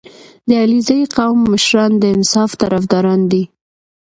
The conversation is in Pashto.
• د علیزي قوم مشران د انصاف طرفداران دي.